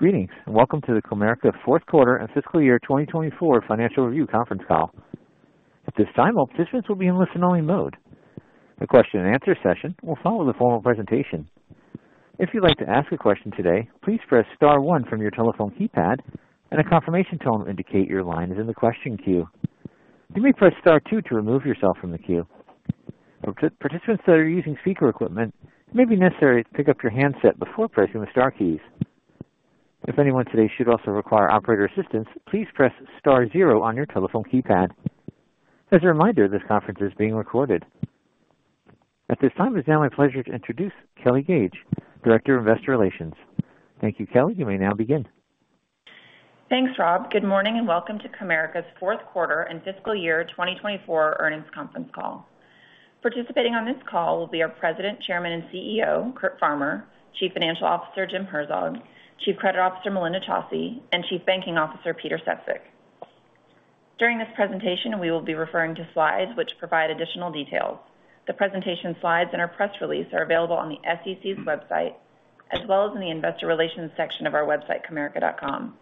Greetings, and welcome to the Comerica Fourth Quarter and Fiscal Year 2024 Financial Review Conference Call. At this time, all participants will be in listen-only mode. The question-and-answer session will follow the formal presentation. If you'd like to ask a question today, please press Star one from your telephone keypad, and a confirmation tone will indicate your line is in the question queue. You may press Star two to remove yourself from the queue. For participants that are using speaker equipment, it may be necessary to pick up your handset before pressing the Star keys. If anyone today should also require operator assistance, please press Star zero on your telephone keypad. As a reminder, this conference is being recorded. At this time, it is now my pleasure to introduce Kelly Gage, Director of Investor Relations. Thank you, Kelly. You may now begin. Thanks, Rob. Good morning, and welcome to Comerica's Fourth Quarter and Fiscal Year 2024 Earnings Conference Call. Participating on this call will be our President, Chairman, and CEO, Curt Farmer, Chief Financial Officer Jim Herzog, Chief Credit Officer Melinda Chausse, and Chief Banking Officer Peter Sefzik. During this presentation, we will be referring to slides which provide additional details. The presentation slides and our press release are available on the SEC's website as well as in the Investor Relations section of our website, Comerica.com.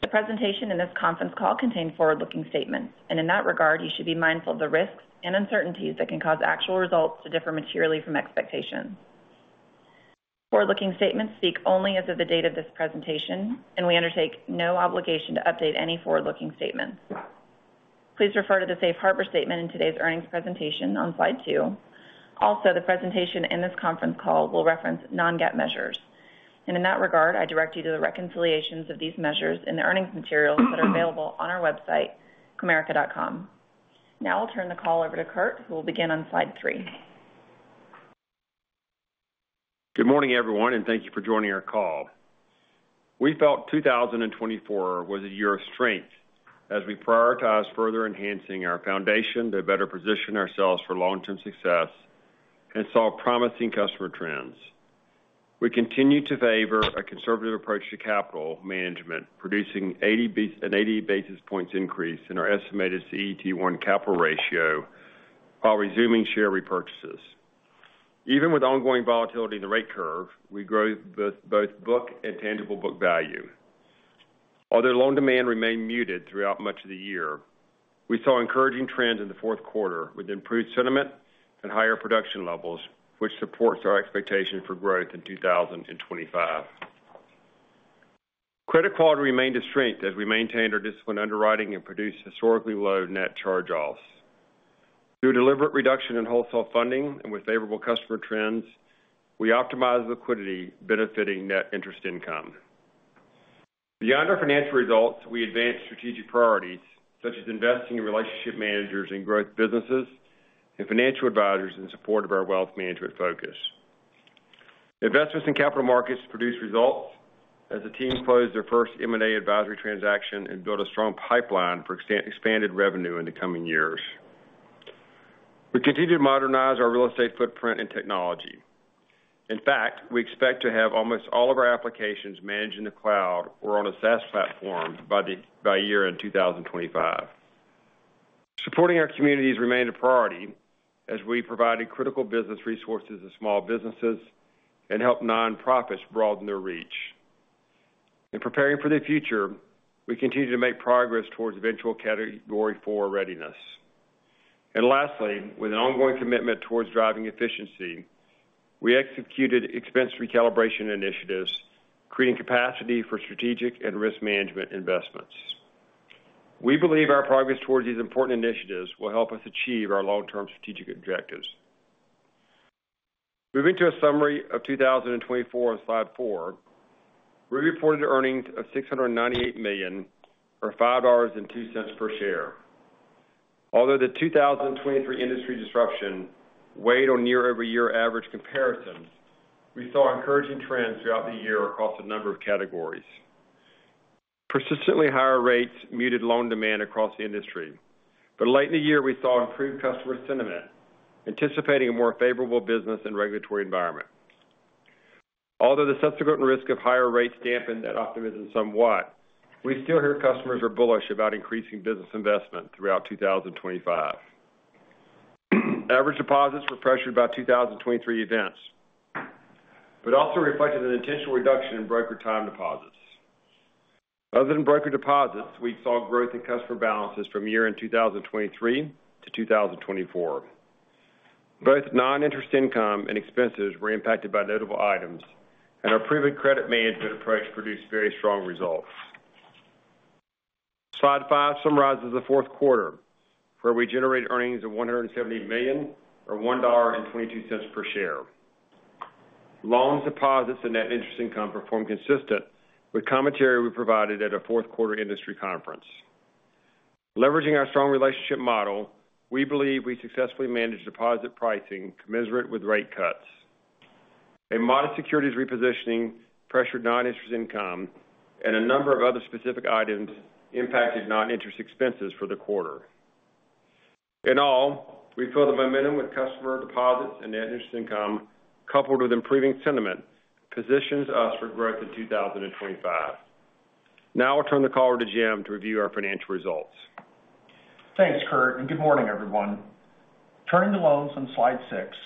The presentation and this conference call contain forward-looking statements, and in that regard, you should be mindful of the risks and uncertainties that can cause actual results to differ materially from expectations. Forward-looking statements speak only as of the date of this presentation, and we undertake no obligation to update any forward-looking statements. Please refer to the Safe Harbor Statement in today's earnings presentation on Slide 2. Also, the presentation and this conference call will reference non-GAAP measures, and in that regard, I direct you to the reconciliations of these measures in the earnings materials that are available on our website, Comerica.com. Now I'll turn the call over to Curt, who will begin on Slide 3. Good morning, everyone, and thank you for joining our call. We felt 2024 was a year of strength as we prioritized further enhancing our foundation to better position ourselves for long-term success and saw promising customer trends. We continue to favor a conservative approach to capital management, producing an 80 basis points increase in our estimated CET1 capital ratio while resuming share repurchases. Even with ongoing volatility in the rate curve, we grow both book and tangible book value. Although loan demand remained muted throughout much of the year, we saw encouraging trends in the fourth quarter with improved sentiment and higher production levels, which supports our expectation for growth in 2025. Credit quality remained a strength as we maintained our discipline underwriting and produced historically low net charge-offs. Through deliberate reduction in wholesale funding and with favorable customer trends, we optimized liquidity, benefiting net interest income. Beyond our financial results, we advanced strategic priorities such as investing in relationship managers in growth businesses and financial advisors in support of our wealth management focus. Investments in capital markets produced results as the team closed their first M&A advisory transaction and built a strong pipeline for expanded revenue in the coming years. We continue to modernize our real estate footprint and technology. In fact, we expect to have almost all of our applications managed in the cloud or on a SaaS platform by year-end 2025. Supporting our communities remained a priority as we provided critical business resources to small businesses and helped nonprofits broaden their reach. In preparing for the future, we continue to make progress towards eventual Category 4 readiness. And lastly, with an ongoing commitment towards driving efficiency, we executed expense recalibration initiatives, creating capacity for strategic and risk management investments. We believe our progress towards these important initiatives will help us achieve our long-term strategic objectives. Moving to a summary of 2024 on Slide 4, we reported earnings of $698 million, or $5.02 per share. Although the 2023 industry disruption weighed on nearly every year-over-year average comparisons, we saw encouraging trends throughout the year across a number of categories. Persistently higher rates muted loan demand across the industry, but late in the year, we saw improved customer sentiment, anticipating a more favorable business and regulatory environment. Although the subsequent risk of higher rates dampened that optimism somewhat, we still hear customers are bullish about increasing business investment throughout 2025. Average deposits were pressured by 2023 events, but also reflected an intentional reduction in brokered time deposits. Other than brokered deposits, we saw growth in customer balances from year-end 2023 to 2024. Both non-interest income and expenses were impacted by notable items, and our proactive credit management approach produced very strong results. Slide 5 summarizes the fourth quarter, where we generated earnings of $170 million, or $1.22 per share. Loans, deposits, and net interest income performed consistent with commentary we provided at our fourth quarter industry conference. Leveraging our strong relationship model, we believe we successfully managed deposit pricing commensurate with rate cuts. A modest securities repositioning pressured non-interest income, and a number of other specific items impacted non-interest expenses for the quarter. In all, we feel the momentum with customer deposits and net interest income, coupled with improving sentiment, positions us for growth in 2025. Now I'll turn the call over to Jim to review our financial results. Thanks, Curt, and good morning, everyone. Turning to loans on Slide 6,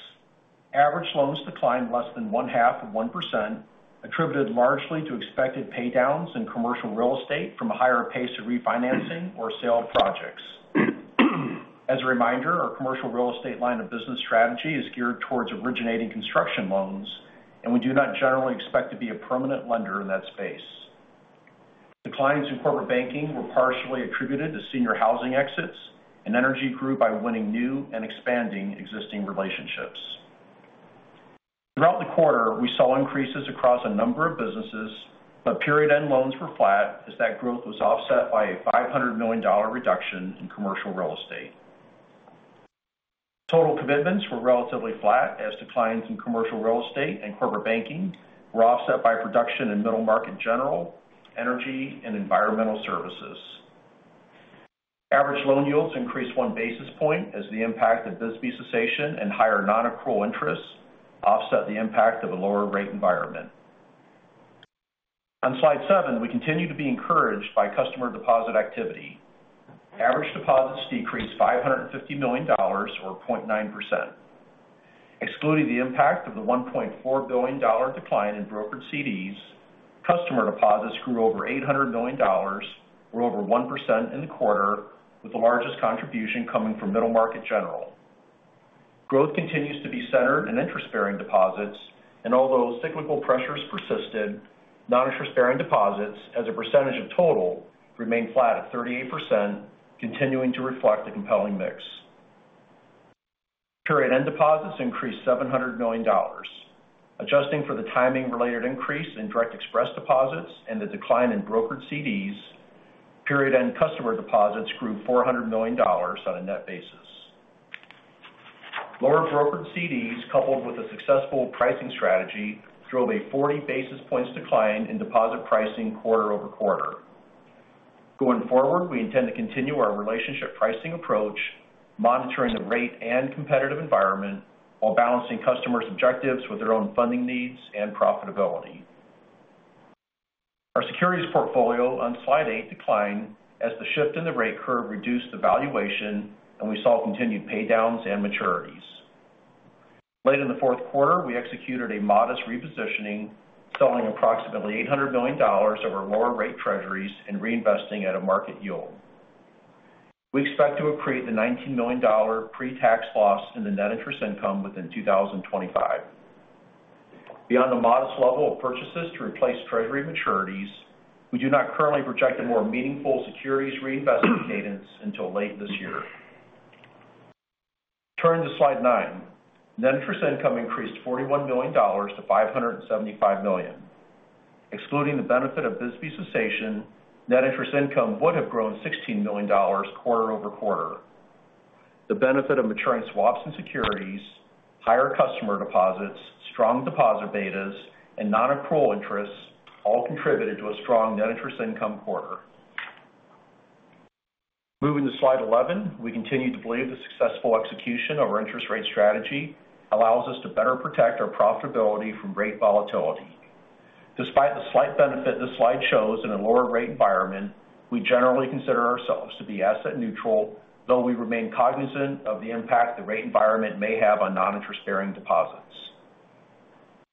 average loans declined less than 0.5%, attributed largely to expected paydowns in commercial real estate from a higher pace of refinancing or sale of projects. As a reminder, our commercial real estate line of business strategy is geared towards originating construction loans, and we do not generally expect to be a permanent lender in that space. Declines in corporate banking were partially attributed to senior housing exits, and energy grew by winning new and expanding existing relationships. Throughout the quarter, we saw increases across a number of businesses, but period-end loans were flat as that growth was offset by a $500 million reduction in commercial real estate. Total commitments were relatively flat as declines in commercial real estate and corporate banking were offset by production in middle market general, energy, and environmental services. Average loan yields increased one basis point as the impact of business cessation and higher non-accrual interest offset the impact of a lower rate environment. On Slide 7, we continue to be encouraged by customer deposit activity. Average deposits decreased $550 million, or 0.9%. Excluding the impact of the $1.4 billion decline in brokered CDs, customer deposits grew over $800 million, or over 1% in the quarter, with the largest contribution coming from middle market general. Growth continues to be centered in interest-bearing deposits, and although cyclical pressures persisted, non-interest-bearing deposits, as a percentage of total, remain flat at 38%, continuing to reflect a compelling mix. Period-end deposits increased $700 million, adjusting for the timing-related increase in Direct Express deposits and the decline in brokered CDs. Period-end customer deposits grew $400 million on a net basis. Lower brokered CDs, coupled with a successful pricing strategy, drove a 40 basis points decline in deposit pricing quarter over quarter. Going forward, we intend to continue our relationship pricing approach, monitoring the rate and competitive environment while balancing customers' objectives with their own funding needs and profitability. Our securities portfolio on Slide 8 declined as the shift in the rate curve reduced the valuation, and we saw continued paydowns and maturities. Late in the fourth quarter, we executed a modest repositioning, selling approximately $800 million of our lower-rate treasuries and reinvesting at a market yield. We expect to accrete the $19 million pre-tax loss in the net interest income within 2025. Beyond a modest level of purchases to replace treasury maturities, we do not currently project a more meaningful securities reinvestment cadence until late this year. Turning to Slide 9, net interest income increased $41 million to $575 million. Excluding the benefit of business cessation, net interest income would have grown $16 million quarter over quarter. The benefit of maturing swaps and securities, higher customer deposits, strong deposit betas, and non-accrual interest all contributed to a strong net interest income quarter. Moving to Slide 11, we continue to believe the successful execution of our interest rate strategy allows us to better protect our profitability from rate volatility. Despite the slight benefit this slide shows in a lower-rate environment, we generally consider ourselves to be asset neutral, though we remain cognizant of the impact the rate environment may have on non-interest-bearing deposits.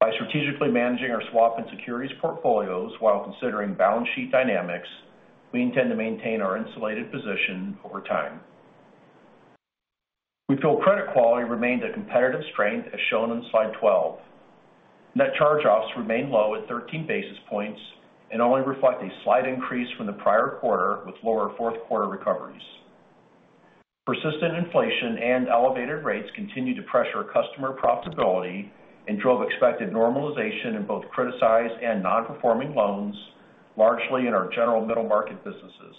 By strategically managing our swap and securities portfolios while considering balance sheet dynamics, we intend to maintain our insulated position over time. We feel credit quality remained a competitive strength as shown on Slide 12. Net charge-offs remain low at 13 basis points and only reflect a slight increase from the prior quarter with lower fourth quarter recoveries. Persistent inflation and elevated rates continue to pressure customer profitability and drove expected normalization in both criticized and non-performing loans, largely in our general middle market businesses.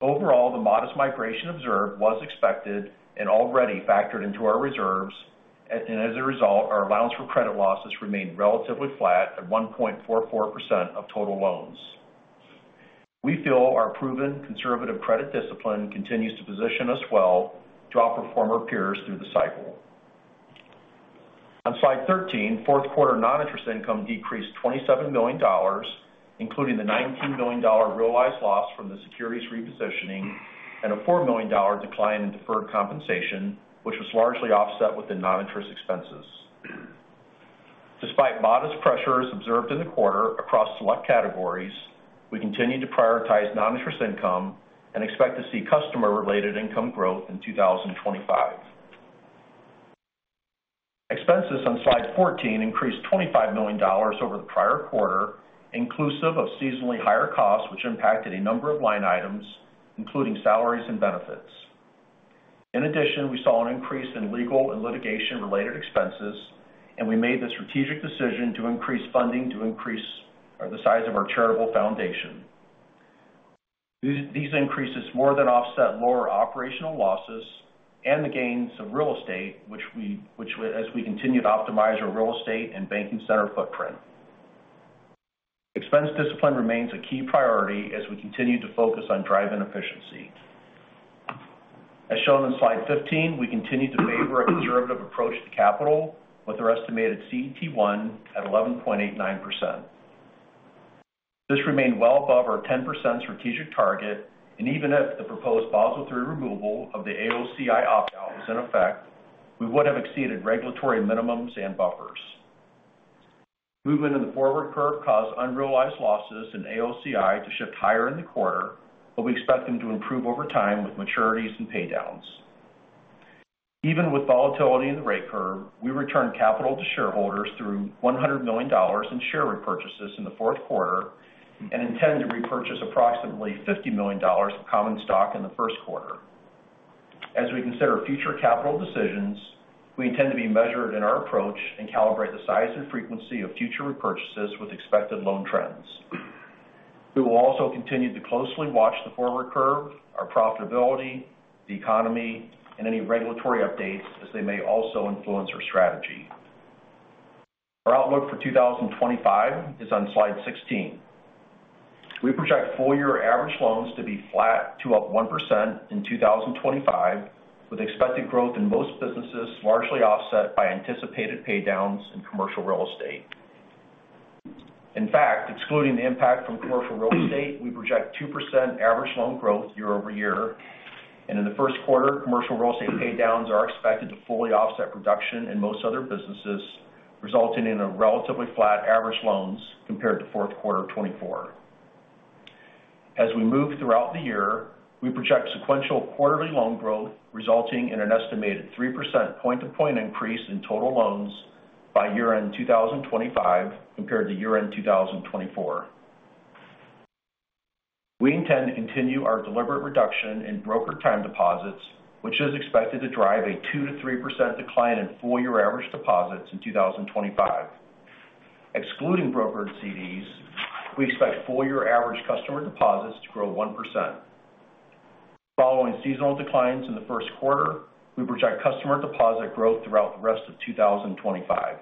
Overall, the modest migration observed was expected and already factored into our reserves, and as a result, our allowance for credit losses remained relatively flat at 1.44% of total loans. We feel our proven conservative credit discipline continues to position us well to outperform our peers through the cycle. On Slide 13, fourth quarter non-interest income decreased $27 million, including the $19 million realized loss from the securities repositioning and a $4 million decline in deferred compensation, which was largely offset with the non-interest expenses. Despite modest pressures observed in the quarter across select categories, we continue to prioritize non-interest income and expect to see customer-related income growth in 2025. Expenses on Slide 14 increased $25 million over the prior quarter, inclusive of seasonally higher costs, which impacted a number of line items, including salaries and benefits. In addition, we saw an increase in legal and litigation-related expenses, and we made the strategic decision to increase funding to increase the size of our charitable foundation. These increases more than offset lower operational losses and the gains of real estate, which, as we continue to optimize our real estate and banking center footprint. Expense discipline remains a key priority as we continue to focus on driving efficiency. As shown on Slide 15, we continue to favor a conservative approach to capital with our estimated CET1 at 11.89%. This remained well above our 10% strategic target, and even if the proposed Basel III removal of the AOCI opt-out was in effect, we would have exceeded regulatory minimums and buffers. Movement in the forward curve caused unrealized losses in AOCI to shift higher in the quarter, but we expect them to improve over time with maturities and paydowns. Even with volatility in the rate curve, we returned capital to shareholders through $100 million in share repurchases in the fourth quarter and intend to repurchase approximately $50 million of common stock in the first quarter. As we consider future capital decisions, we intend to be measured in our approach and calibrate the size and frequency of future repurchases with expected loan trends. We will also continue to closely watch the forward curve, our profitability, the economy, and any regulatory updates as they may also influence our strategy. Our outlook for 2025 is on Slide 16. We project full-year average loans to be flat to up 1% in 2025, with expected growth in most businesses largely offset by anticipated paydowns in commercial real estate. In fact, excluding the impact from commercial real estate, we project 2% average loan growth year over year, and in the first quarter, commercial real estate paydowns are expected to fully offset production in most other businesses, resulting in relatively flat average loans compared to fourth quarter 2024. As we move throughout the year, we project sequential quarterly loan growth, resulting in an estimated 3% point-to-point increase in total loans by year-end 2025 compared to year-end 2024. We intend to continue our deliberate reduction in brokered time deposits, which is expected to drive a 2%-3% decline in full-year average deposits in 2025. Excluding brokered CDs, we expect full-year average customer deposits to grow 1%. Following seasonal declines in the first quarter, we project customer deposit growth throughout the rest of 2025.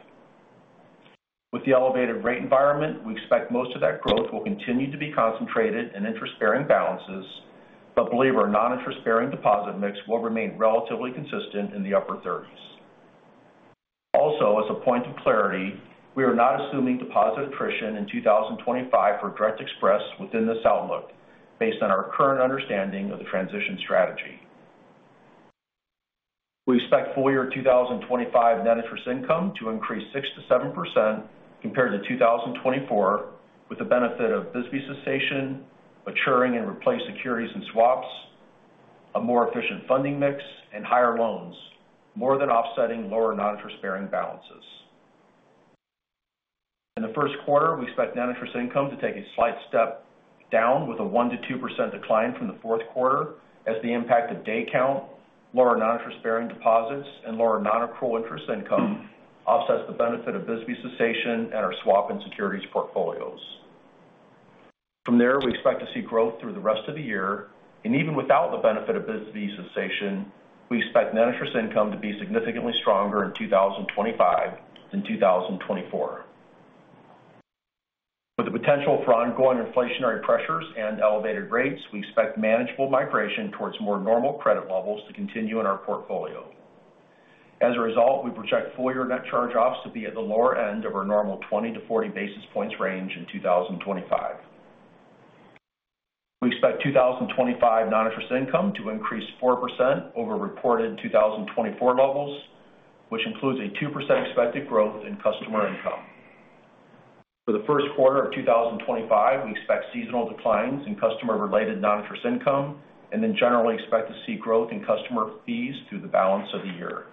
With the elevated rate environment, we expect most of that growth will continue to be concentrated in interest-bearing balances, but believe our non-interest-bearing deposit mix will remain relatively consistent in the upper 30s. Also, as a point of clarity, we are not assuming deposit attrition in 2025 for Direct Express within this outlook based on our current understanding of the transition strategy. We expect full-year 2025 net interest income to increase 6%-7% compared to 2024, with the benefit of business cessation, maturing and replaced securities and swaps, a more efficient funding mix, and higher loans, more than offsetting lower non-interest-bearing balances. In the first quarter, we expect net interest income to take a slight step down with a 1%-2% decline from the fourth quarter as the impact of day count, lower non-interest-bearing deposits, and lower non-accrual interest income offsets the benefit of business cessation and our swap and securities portfolios. From there, we expect to see growth through the rest of the year, and even without the benefit of business cessation, we expect net interest income to be significantly stronger in 2025 than 2024. With the potential for ongoing inflationary pressures and elevated rates, we expect manageable migration toward more normal credit levels to continue in our portfolio. As a result, we project full-year net charge-offs to be at the lower end of our normal 20-40 basis points range in 2025. We expect 2025 non-interest income to increase 4% over reported 2024 levels, which includes a 2% expected growth in customer income. For the first quarter of 2025, we expect seasonal declines in customer-related non-interest income and then generally expect to see growth in customer fees through the balance of the year.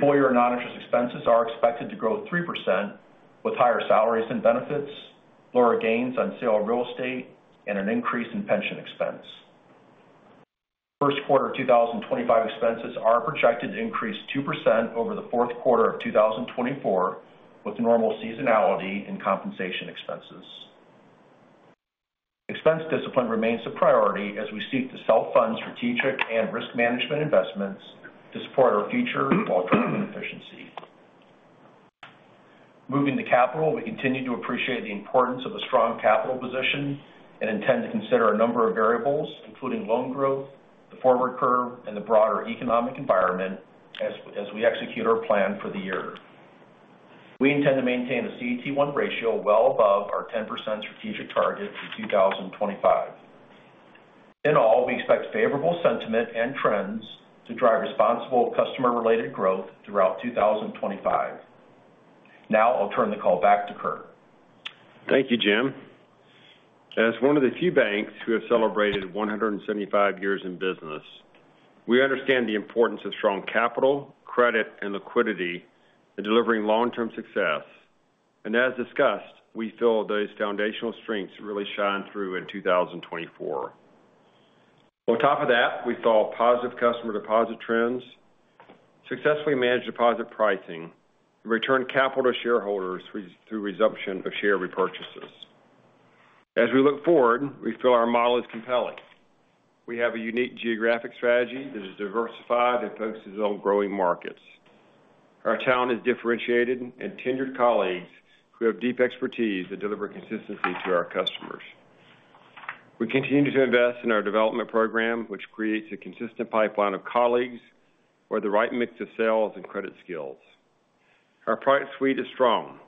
Full-year non-interest expenses are expected to grow 3% with higher salaries and benefits, lower gains on sale of real estate, and an increase in pension expense. First quarter 2025 expenses are projected to increase 2% over the fourth quarter of 2024 with normal seasonality in compensation expenses. Expense discipline remains a priority as we seek to self-fund strategic and risk management investments to support our future while driving efficiency. Moving to capital, we continue to appreciate the importance of a strong capital position and intend to consider a number of variables, including loan growth, the forward curve, and the broader economic environment as we execute our plan for the year. We intend to maintain a CET1 ratio well above our 10% strategic target in 2025. In all, we expect favorable sentiment and trends to drive responsible customer-related growth throughout 2025. Now, I'll turn the call back to Curt. Thank you, Jim. As one of the few banks who have celebrated 175 years in business, we understand the importance of strong capital, credit, and liquidity in delivering long-term success, and as discussed, we feel those foundational strengths really shine through in 2024. On top of that, we saw positive customer deposit trends, successfully managed deposit pricing, and returned capital to shareholders through resumption of share repurchases. As we look forward, we feel our model is compelling. We have a unique geographic strategy that is diversified and focuses on growing markets. Our talent is differentiated and tenured colleagues who have deep expertise that deliver consistency to our customers. We continue to invest in our development program, which creates a consistent pipeline of colleagues with the right mix of sales and credit skills. Our product suite is strong,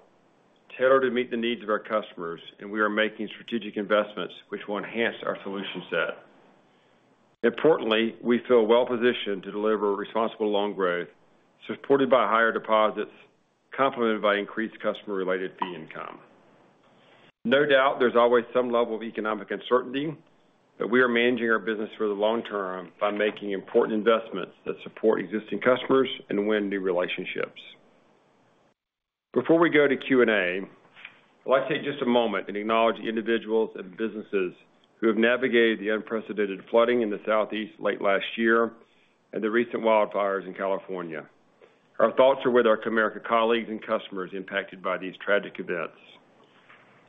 tailored to meet the needs of our customers, and we are making strategic investments which will enhance our solution set. Importantly, we feel well-positioned to deliver responsible loan growth supported by higher deposits, complemented by increased customer-related fee income. No doubt, there's always some level of economic uncertainty, but we are managing our business for the long term by making important investments that support existing customers and win new relationships. Before we go to Q&A, I'd like to take just a moment and acknowledge the individuals and businesses who have navigated the unprecedented flooding in the Southeast late last year and the recent wildfires in California. Our thoughts are with our Comerica colleagues and customers impacted by these tragic events,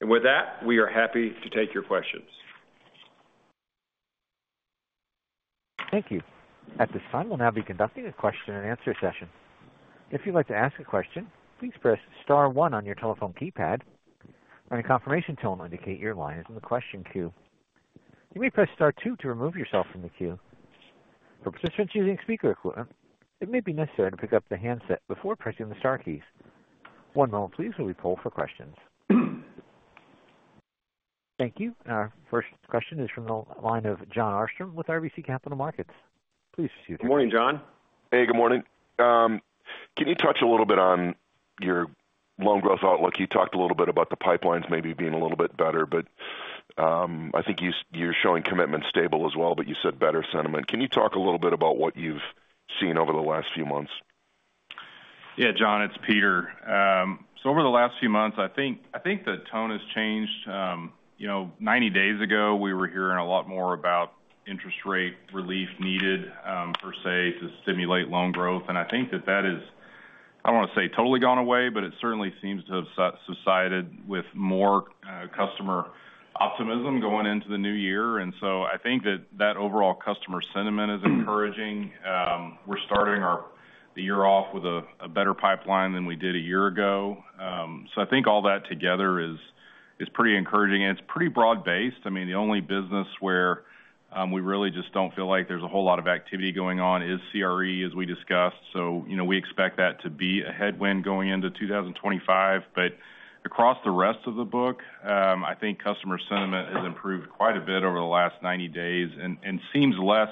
and with that, we are happy to take your questions. Thank you. At this time, we'll now be conducting a question-and-answer session. If you'd like to ask a question, please press Star one on your telephone keypad, or a confirmation tone will indicate your line is in the question queue. You may press Star two to remove yourself from the queue. For participants using speaker equipment, it may be necessary to pick up the handset before pressing the Star keys. One moment, please, while we poll for questions. Thank you. Our first question is from the line of Jon Arfstrom with RBC Capital Markets. Please proceed. Good morning, Jon. Hey, good morning. Can you touch a little bit on your loan growth outlook? You talked a little bit about the pipelines maybe being a little bit better, but I think you're showing commitments stable as well, but you said better sentiment. Can you talk a little bit about what you've seen over the last few months? Yeah, Jon, it's Peter. So over the last few months, I think the tone has changed. 90 days ago, we were hearing a lot more about interest rate relief needed per se to stimulate loan growth, and I think that that is, I don't want to say totally gone away, but it certainly seems to have subsided with more customer optimism going into the new year. And so I think that that overall customer sentiment is encouraging. We're starting the year off with a better pipeline than we did a year ago. So I think all that together is pretty encouraging, and it's pretty broad-based. I mean, the only business where we really just don't feel like there's a whole lot of activity going on is CRE, as we discussed. So we expect that to be a headwind going into 2025, but across the rest of the book, I think customer sentiment has improved quite a bit over the last 90 days and seems less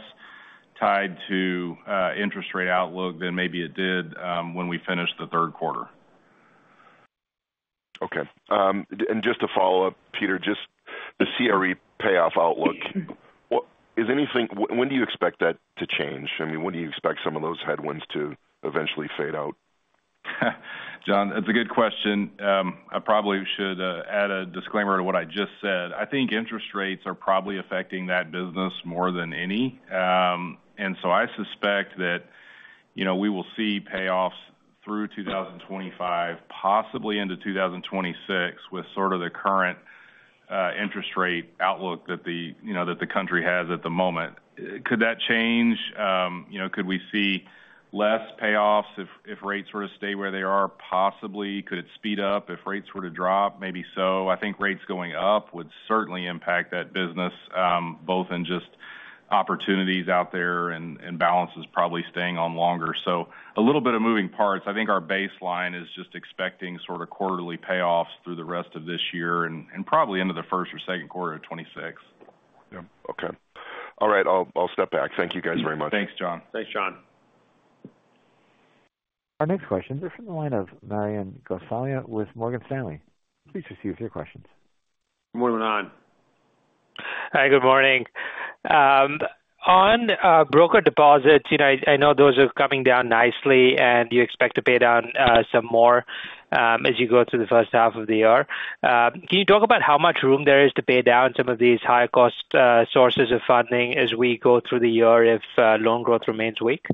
tied to interest rate outlook than maybe it did when we finished the third quarter. Okay. And just to follow up, Peter, just the CRE payoff outlook, when do you expect that to change? I mean, when do you expect some of those headwinds to eventually fade out? Jon, that's a good question. I probably should add a disclaimer to what I just said. I think interest rates are probably affecting that business more than any, and so I suspect that we will see payoffs through 2025, possibly into 2026, with sort of the current interest rate outlook that the country has at the moment. Could that change? Could we see less payoffs if rates were to stay where they are? Possibly. Could it speed up if rates were to drop? Maybe so. I think rates going up would certainly impact that business, both in just opportunities out there and balances probably staying on longer, so a little bit of moving parts. I think our baseline is just expecting sort of quarterly payoffs through the rest of this year and probably into the first or second quarter of 2026. Yeah. Okay. All right. I'll step back. Thank you guys very much. Thanks, Jon. Thanks, Jon. Our next question is from the line of Manan Gosalia with Morgan Stanley. Please proceed with your questions. Good morning, Manan. Hi, good morning. On brokered deposits, I know those are coming down nicely, and you expect to pay down some more as you go through the first half of the year. Can you talk about how much room there is to pay down some of these high-cost sources of funding as we go through the year if loan growth remains weak?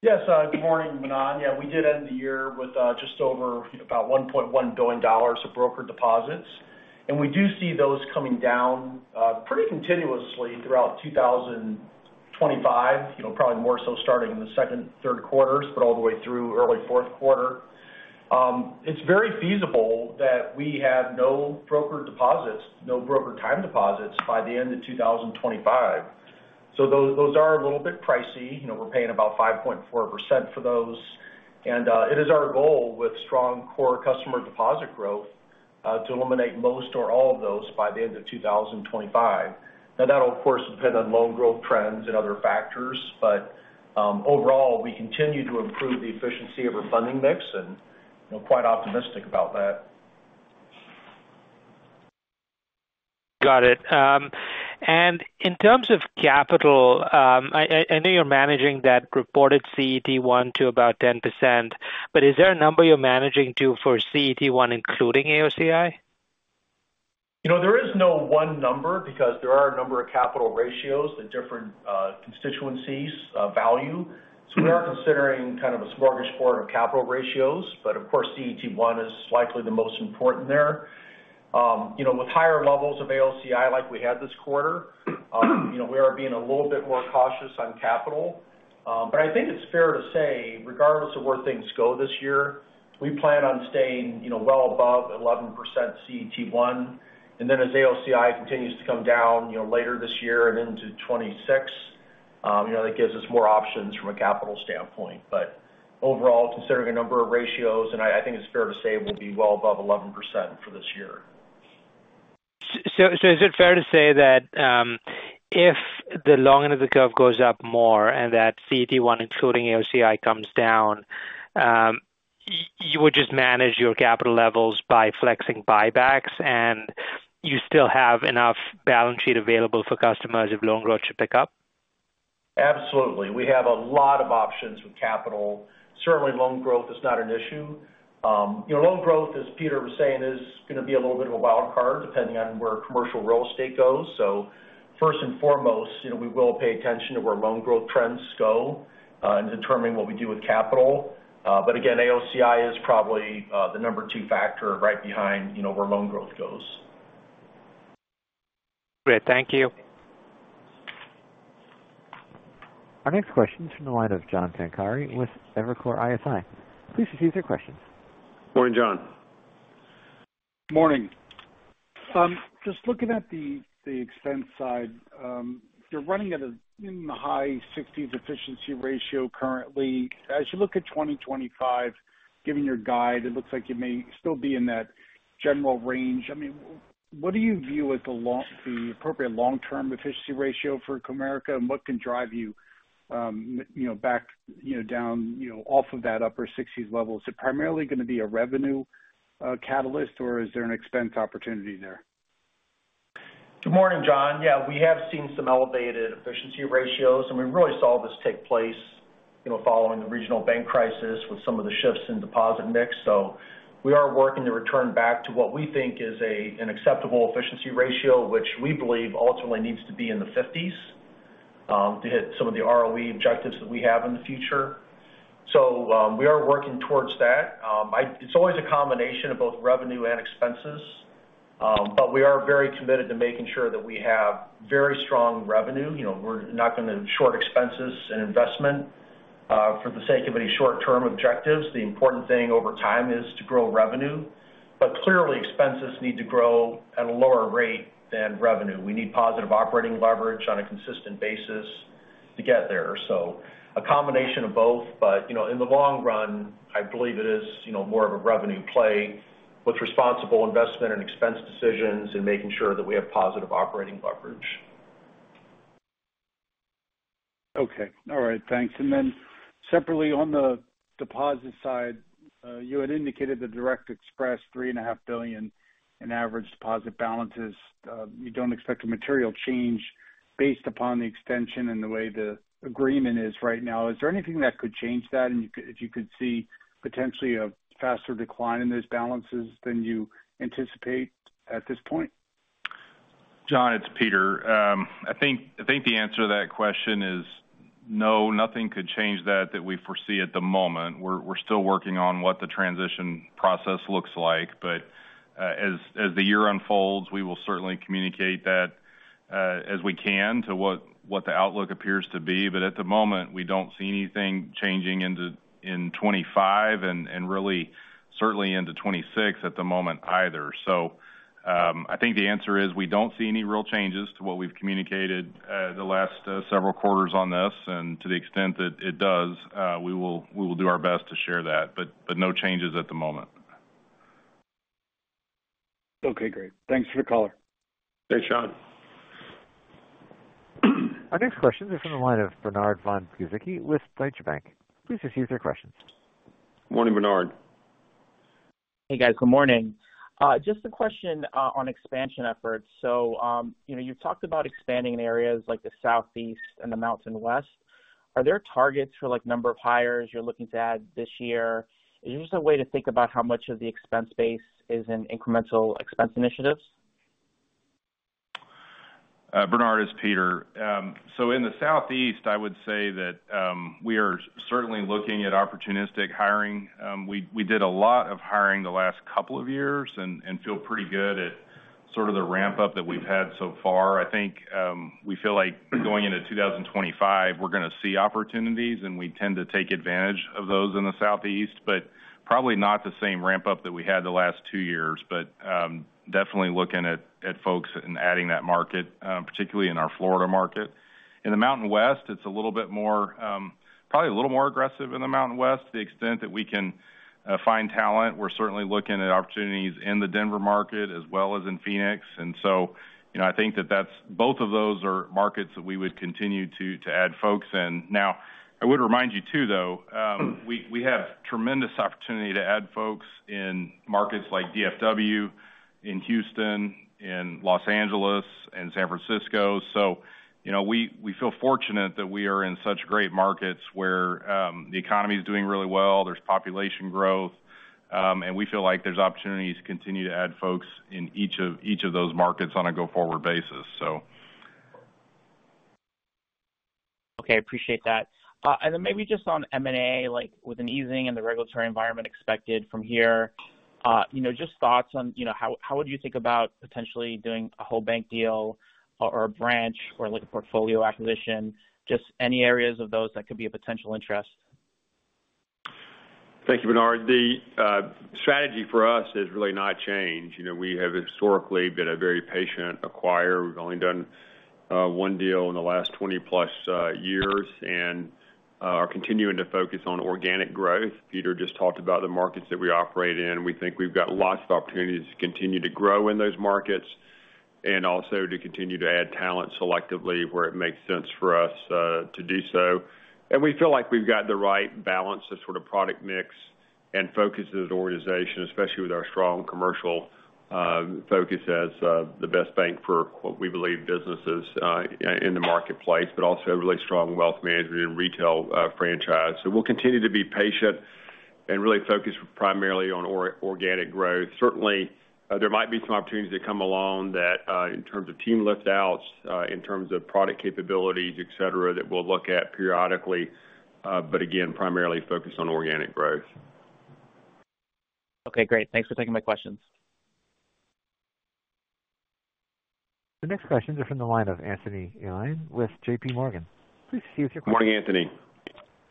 Yes. Good morning, Manan. Yeah, we did end the year with just over about $1.1 billion of brokered deposits, and we do see those coming down pretty continuously throughout 2025, probably more so starting in the second, third quarters, but all the way through early fourth quarter. It's very feasible that we have no brokered deposits, no brokered time deposits by the end of 2025. So those are a little bit pricey. We're paying about 5.4% for those, and it is our goal with strong core customer deposit growth to eliminate most or all of those by the end of 2025. Now, that'll, of course, depend on loan growth trends and other factors, but overall, we continue to improve the efficiency of our funding mix and quite optimistic about that. Got it. And in terms of capital, I know you're managing that reported CET1 to about 10%, but is there a number you're managing to for CET1, including AOCI? There is no one number because there are a number of capital ratios that different constituencies value. So we are considering kind of a smorgasbord of capital ratios, but of course, CET1 is likely the most important there. With higher levels of AOCI like we had this quarter, we are being a little bit more cautious on capital, but I think it's fair to say, regardless of where things go this year, we plan on staying well above 11% CET1. And then as AOCI continues to come down later this year and into 2026, that gives us more options from a capital standpoint, but overall, considering a number of ratios, I think it's fair to say we'll be well above 11% for this year. Is it fair to say that if the long end of the curve goes up more and that CET1, including AOCI, comes down, you would just manage your capital levels by flexing buybacks, and you still have enough balance sheet available for customers if loan growth should pick up? Absolutely. We have a lot of options with capital. Certainly, loan growth is not an issue. Loan growth, as Peter was saying, is going to be a little bit of a wild card depending on where commercial real estate goes. So first and foremost, we will pay attention to where loan growth trends go in determining what we do with capital. But again, AOCI is probably the number two factor right behind where loan growth goes. Great. Thank you. Our next question is from the line of John Pancari with Evercore ISI. Please proceed with your questions. Morning, John. Morning. Just looking at the expense side, you're running at a high 60s efficiency ratio currently. As you look at 2025, given your guide, it looks like you may still be in that general range. I mean, what do you view as the appropriate long-term efficiency ratio for Comerica, and what can drive you back down off of that upper 60s level? Is it primarily going to be a revenue catalyst, or is there an expense opportunity there? Good morning, John. Yeah, we have seen some elevated efficiency ratios, and we really saw this take place following the regional bank crisis with some of the shifts in deposit mix. So we are working to return back to what we think is an acceptable efficiency ratio, which we believe ultimately needs to be in the 50s to hit some of the ROE objectives that we have in the future. So we are working towards that. It's always a combination of both revenue and expenses, but we are very committed to making sure that we have very strong revenue. We're not going to short expenses and investment for the sake of any short-term objectives. The important thing over time is to grow revenue, but clearly, expenses need to grow at a lower rate than revenue. We need positive operating leverage on a consistent basis to get there. So a combination of both, but in the long run, I believe it is more of a revenue play with responsible investment and expense decisions and making sure that we have positive operating leverage. Okay. All right. Thanks. And then separately, on the deposit side, you had indicated the Direct Express, $3.5 billion in average deposit balances. You don't expect a material change based upon the extension and the way the agreement is right now. Is there anything that could change that, and if you could see potentially a faster decline in those balances than you anticipate at this point? John, it's Peter. I think the answer to that question is no, nothing could change that that we foresee at the moment. We're still working on what the transition process looks like, but as the year unfolds, we will certainly communicate that as we can to what the outlook appears to be. But at the moment, we don't see anything changing in 2025 and really certainly into 2026 at the moment either. So I think the answer is we don't see any real changes to what we've communicated the last several quarters on this, and to the extent that it does, we will do our best to share that, but no changes at the moment. Okay. Great. Thanks for the caller. Thanks, John. Our next question is from the line of Bernard von Gizycki with Deutsche Bank. Please proceed with your questions. Morning, Bernard. Hey, guys. Good morning. Just a question on expansion efforts. So you've talked about expanding in areas like the Southeast and the Mountain West. Are there targets for number of hires you're looking to add this year? Is there just a way to think about how much of the expense base is in incremental expense initiatives? Bernard, it's Peter. So in the Southeast, I would say that we are certainly looking at opportunistic hiring. We did a lot of hiring the last couple of years and feel pretty good at sort of the ramp-up that we've had so far. I think we feel like going into 2025, we're going to see opportunities, and we tend to take advantage of those in the Southeast, but probably not the same ramp-up that we had the last two years, but definitely looking at folks and adding that market, particularly in our Florida market. In the Mountain West, it's a little bit more probably a little more aggressive in the Mountain West to the extent that we can find talent. We're certainly looking at opportunities in the Denver market as well as in Phoenix. And so I think that both of those are markets that we would continue to add folks. And now, I would remind you too, though, we have tremendous opportunity to add folks in markets like DFW, in Houston, in Los Angeles, and San Francisco. So we feel fortunate that we are in such great markets where the economy is doing really well, there's population growth, and we feel like there's opportunities to continue to add folks in each of those markets on a go-forward basis, so. Okay. I appreciate that. And then maybe just on M&A, with an easing in the regulatory environment expected from here, just thoughts on how would you think about potentially doing a whole bank deal or a branch or a portfolio acquisition, just any areas of those that could be of potential interest? Thank you, Bernard. The strategy for us has really not changed. We have historically been a very patient acquirer. We've only done one deal in the last 20+ years and are continuing to focus on organic growth. Peter just talked about the markets that we operate in. We think we've got lots of opportunities to continue to grow in those markets and also to continue to add talent selectively where it makes sense for us to do so. And we feel like we've got the right balance of sort of product mix and focus as an organization, especially with our strong commercial focus as the best bank for what we believe businesses in the marketplace, but also really strong wealth management and retail franchise. So we'll continue to be patient and really focus primarily on organic growth. Certainly, there might be some opportunities that come along in terms of team liftouts, in terms of product capabilities, etc., that we'll look at periodically, but again, primarily focused on organic growth. Okay. Great. Thanks for taking my questions. The next question is from the line of Anthony Elian with J.P. Morgan. Please proceed with your question. Morning, Anthony.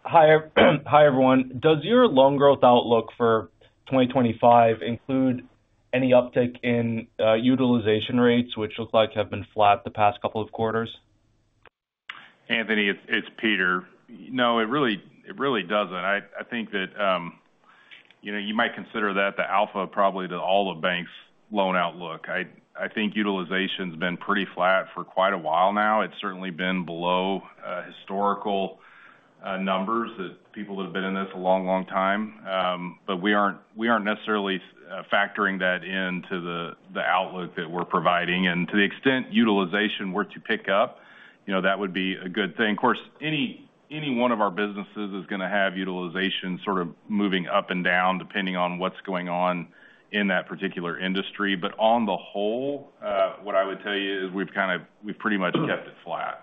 Hi, everyone. Does your loan growth outlook for 2025 include any uptick in utilization rates, which looks like have been flat the past couple of quarters? Anthony, it's Peter. No, it really doesn't. I think that you might consider that a factor probably to all the banks' loan outlook. I think utilization has been pretty flat for quite a while now. It's certainly been below historical numbers that people that have been in this a long, long time, but we aren't necessarily factoring that into the outlook that we're providing. And to the extent utilization were to pick up, that would be a good thing. Of course, any one of our businesses is going to have utilization sort of moving up and down depending on what's going on in that particular industry. But on the whole, what I would tell you is we've pretty much kept it flat.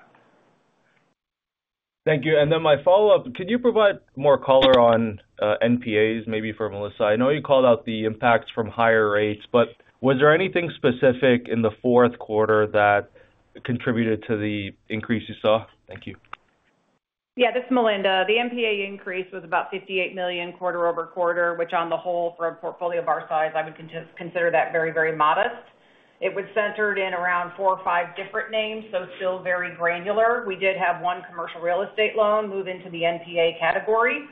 Thank you. Then my follow-up: could you provide more color on NPAs maybe for Melinda? I know you called out the impacts from higher rates, but was there anything specific in the fourth quarter that contributed to the increase you saw? Thank you. Yeah, this is Melinda. The NPA increase was about $58 million quarter over quarter, which on the whole, for a portfolio of our size, I would consider that very, very modest. It was centered around four or five different names, so still very granular. We did have one commercial real estate loan move into the NPA category,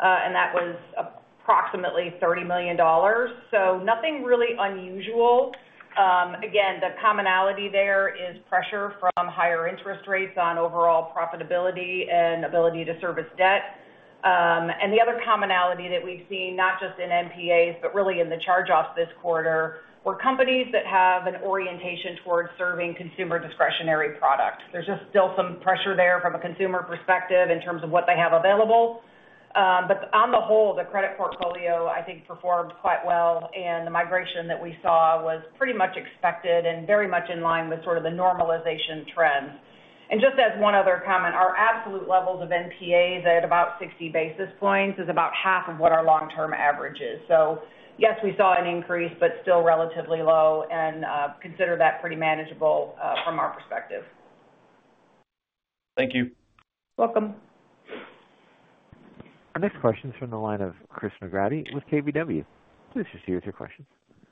and that was approximately $30 million. So nothing really unusual. Again, the commonality there is pressure from higher interest rates on overall profitability and ability to service debt. And the other commonality that we've seen, not just in NPAs, but really in the charge-offs this quarter, were companies that have an orientation towards serving consumer discretionary products. There's just still some pressure there from a consumer perspective in terms of what they have available. But on the whole, the credit portfolio, I think, performed quite well, and the migration that we saw was pretty much expected and very much in line with sort of the normalization trends. And just as one other comment, our absolute levels of NPAs at about 60 basis points is about half of what our long-term average is. So yes, we saw an increase, but still relatively low, and consider that pretty manageable from our perspective. Thank you. Welcome. Our next question is from the line of Chris McGratty with KBW. Please proceed with your questions.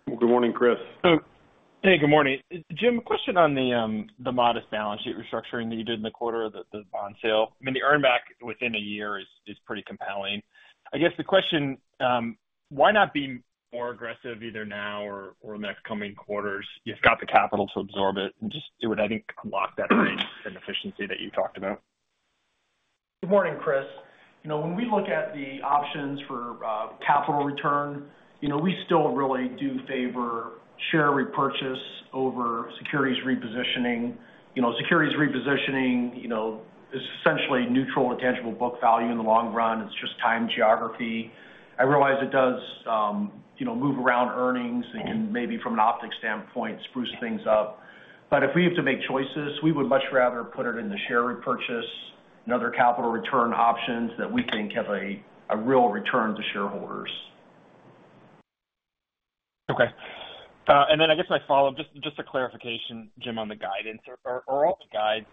Good morning, Chris. Hey, good morning. Jim, a question on the modest balance sheet restructuring that you did in the quarter of the bond sale. I mean, the earnback within a year is pretty compelling. I guess the question, why not be more aggressive either now or in the next coming quarters? You've got the capital to absorb it and just do what I think unlock that range and efficiency that you talked about. Good morning, Chris. When we look at the options for capital return, we still really do favor share repurchase over securities repositioning. Securities repositioning is essentially neutral to tangible book value in the long run. It's just time geography. I realize it does move around earnings and can maybe from an optics standpoint spruce things up. But if we have to make choices, we would much rather put it in the share repurchase and other capital return options that we think have a real return to shareholders. Okay. And then I guess my follow-up, just a clarification, Jim, on the guidance. Are all the guides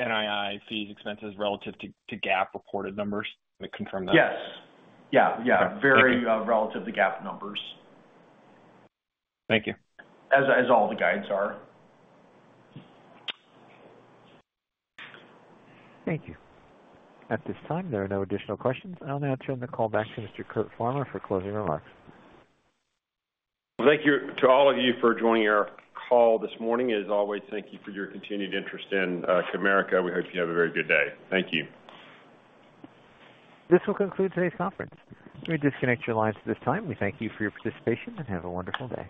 NII fees, expenses relative to GAAP reported numbers? Can you confirm that? Yes. Yeah. Yeah. Very relative to GAAP numbers. Thank you. As all the guides are. Thank you. At this time, there are no additional questions. I'll now turn the call back to Mr. Curt Farmer for closing remarks. Thank you to all of you for joining our call this morning. As always, thank you for your continued interest in Comerica. We hope you have a very good day. Thank you. This will conclude today's conference. We disconnect your lines at this time. We thank you for your participation and have a wonderful day.